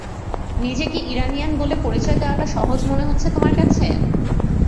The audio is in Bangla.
নিজেকে ইরানিয়ান বলে পরিচয় দেয়াটা সহজ মনে হচ্ছে তোমার কাছে?